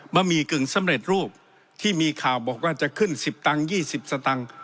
หมี่กึ่งสำเร็จรูปที่มีข่าวบอกว่าจะขึ้น๑๐ตังค์๒๐สตังค์